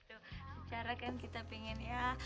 secara kan kita pingin ya